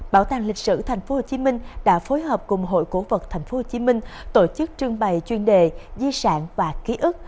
bảo tàng lịch sử tp hcm đã phối hợp cùng hội cổ vật tp hcm tổ chức trưng bày chuyên đề di sản và ký ức